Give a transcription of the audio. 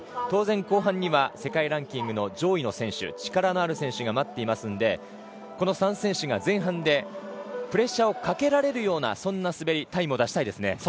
当然、後半には世界ランキングの上位の選手力のある選手が待っていますのでこの３選手が前半でプレッシャーをかけられるようなそんな滑り、タイムを出したいですね。